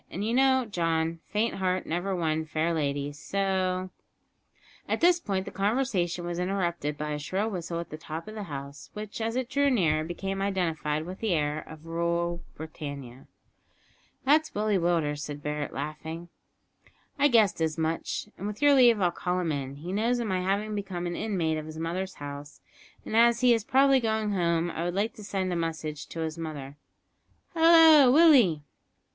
And you know, John, `faint heart never won fair lady,' so " At this point the conversation was interrupted by a shrill whistle at the top of the house, which, as it drew nearer, became identified with the air of "Rule Britannia!" "That's Willie Willders," said Barret, laughing. "I guessed as much, and with your leave I'll call him in. He knows of my having become an inmate of his mother's house, and as he is probably going home I would like to send a message to his mother. Hallo, Willie."